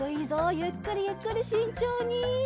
ゆっくりゆっくりしんちょうに。